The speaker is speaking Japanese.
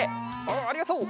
おっありがとう。